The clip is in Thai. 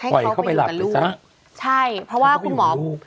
ปล่อยเข้าไปหลักลูก